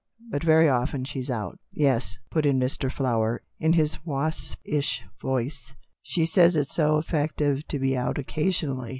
But very often she's out." " Yes," put in Mr. Flower, in his waspish voice, "she says it's so effective to be out occasionally.